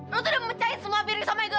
lo tuh udah mecahin semua piring sama ego lo